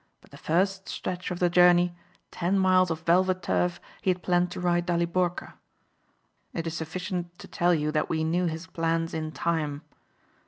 But the first stretch of the journey, ten miles of velvet turf he had planned to ride Daliborka. It is sufficient to tell you that we knew his plans in time.